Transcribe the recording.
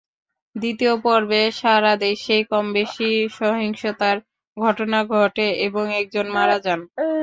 দ্বিতীয় পর্বে সারা দেশেই কমবেশি সহিংসতার ঘটনা ঘটে এবং একজন মারা যান।